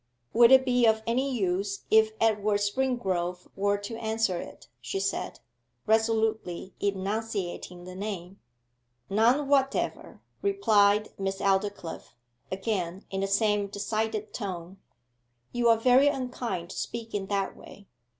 'Would it be of any use if Edward Springrove were to answer it?' she said, resolutely enunciating the name. 'None whatever,' replied Miss Aldclyffe, again in the same decided tone. 'You are very unkind to speak in that way.